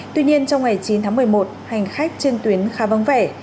tuy nhiên trong ngày chín tháng một mươi một hành khách trên tuyến khá vắng vẻ